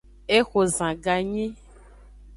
Exo zan ganyi.